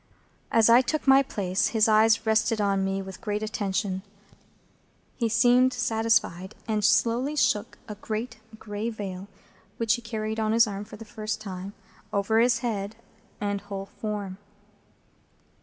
As I took my place, his eyes rested on me with great attention; he seemed satisfied, and slowly shook a great gray veil, which he carried on his arm for the first time, over his head and whole form.